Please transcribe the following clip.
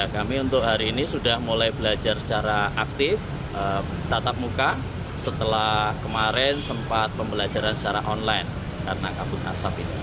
kami untuk hari ini sudah mulai belajar secara aktif tatap muka setelah kemarin sempat pembelajaran secara online karena kabut asap ini